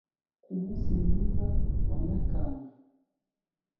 ku munsi mwiza wa nyakanga